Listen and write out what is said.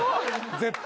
絶対。